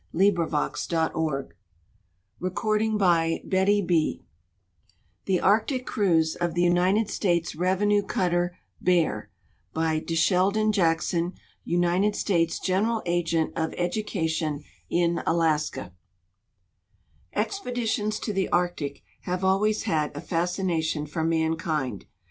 ARCTIC CRUISE OF THE REVENUE CUTTER ^'BEAR^^ 27 THE ARCTIC CRUISE OF THE UNITED STATES REVENUE CUTTER "BEAR" By Dr Sheldon Jackson, United States General Agent of Edu cation in Alaska Expeditions to the Arctic have alwa}^s had a fascination for mankind.